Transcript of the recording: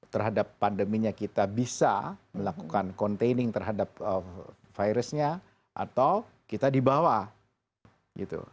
terhadap pandeminya kita bisa melakukan containing terhadap virusnya atau kita di bawah gitu